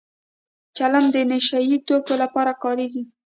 چلم د نشه يي توکو لپاره کارېږي